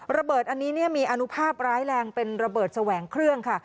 อันนี้มีอนุภาพร้ายแรงเป็นระเบิดแสวงเครื่องค่ะ